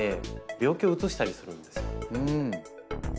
病気をうつしたりするんですよ。